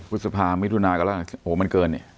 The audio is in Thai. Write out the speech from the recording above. พฤษภาไม่ดูนานก็แล้วโหมันเกินเนี่ย